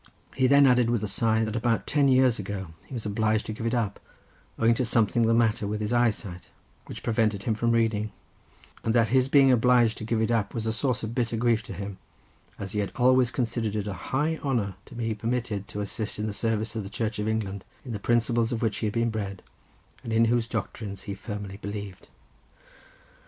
He then added with a sigh, that about ten years ago he was obliged to give it up, owing to something the matter with his eyesight, which prevented him from reading, and that his being obliged to give it up was a source of bitter grief to him, as he had always considered it a high honour to be permitted to assist in the service of the Church of England, in the principles of which he had been bred, and in whose doctrines he firmly believed.